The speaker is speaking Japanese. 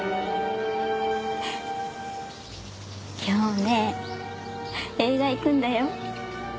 今日ね映画行くんだよ。